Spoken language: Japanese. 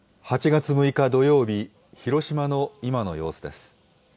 ８月６日土曜日、広島の今の様子です。